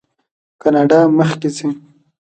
کاناډا مخکې ځي.